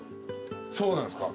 そうなんすか？